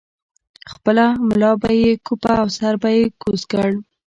خپله ملا به یې کوپه او سر به یې کوز کړ.